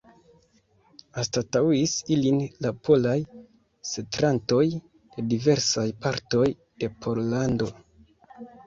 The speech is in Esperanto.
Anstataŭis ilin la polaj setlantoj de diversaj partoj de Pollando.